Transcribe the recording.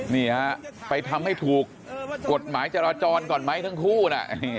นี่ฮะไปทำให้ถูกกฎหมายจราจรก่อนไหมทั้งคู่นะ